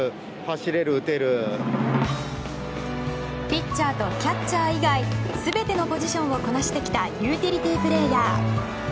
ピッチャーとキャッチャー以外全てのポジションをこなしてきたユーティリティープレーヤー。